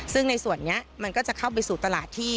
ซึ่งในส่วนนี้มันก็จะเข้าไปสู่ตลาดที่